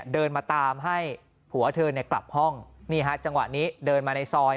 เดินมาตามให้ผัวเธอเนี่ยกลับห้องนี่ฮะจังหวะนี้เดินมาในซอย